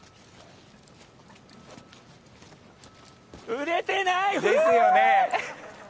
売れてない、フー！ですよね。